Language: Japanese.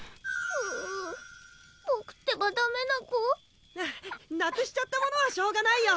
うぅ僕ってばダメな子？ななくしちゃったものはしょうがないよ。